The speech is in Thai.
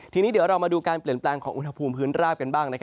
ทีนี้เดี๋ยวเรามาดูการเปลี่ยนแปลงของอุณหภูมิพื้นราบกันบ้าง